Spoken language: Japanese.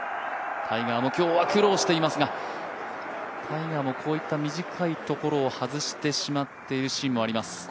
タイガーも今日は苦労していますがタイガーも今日短いところを外してしまっているシーンもあります。